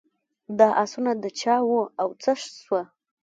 دا آسونه د چا وه او څه سوه.